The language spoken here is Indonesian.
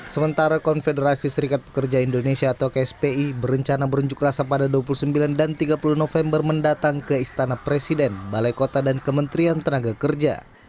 sementara konfederasi serikat pekerja indonesia atau kspi berencana berunjuk rasa pada dua puluh sembilan dan tiga puluh november mendatang ke istana presiden balai kota dan kementerian tenaga kerja